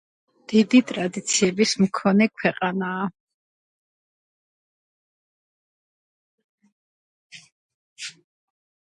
ალბომის დიდი ნაწილი ჩაწერილი იქნა ეკლესიაში, რომელიც ჯგუფმა შეიძინა და განაახლა.